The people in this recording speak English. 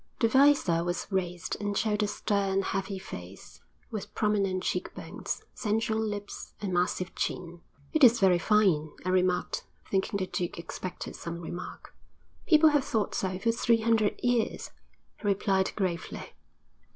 The visor was raised, and showed a stern, heavy face, with prominent cheek bones, sensual lips and a massive chin. 'It is very fine,' I remarked, thinking the duke expected some remark. 'People have thought so for three hundred years,' he replied gravely.